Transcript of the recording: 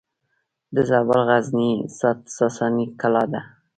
د زابل غزنیې ساساني کلا ده